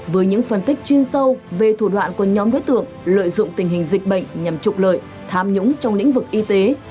với những phân tích chuyên sâu về thủ đoạn của nhóm đối tượng lợi dụng tình hình dịch bệnh nhằm trục lợi tham nhũng trong lĩnh vực y tế